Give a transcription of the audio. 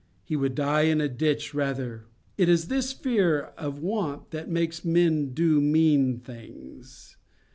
He would die in a ditch, rather. It is this fear of want that makes men do mean things.